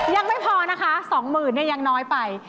ยังไม่พอนะคะ๒หมื่นยังน้อยไป